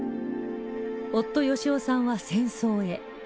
夫善雄さんは戦争へ